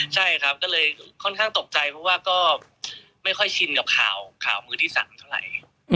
ใช่ครับก็เลยค่อนข้างตกใจเพราะว่าก็ไม่ค่อยชินกับข่าวมือที่๓เท่าไหร่